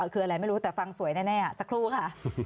คืออะไรไม่รู้แต่ฟังสวยแน่สักครู่ค่ะ